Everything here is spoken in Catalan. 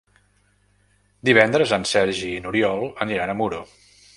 Divendres en Sergi i n'Oriol aniran a Muro.